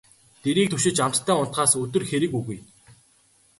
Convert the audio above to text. Дэрийг түшиж амттай унтахаас өдөр хэрэг үгүй.